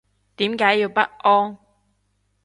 點解要不安